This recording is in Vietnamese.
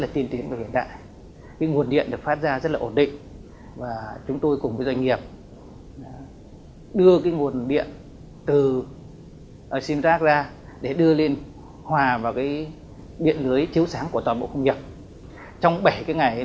trong bảy ngày là nguồn điện rất ổn định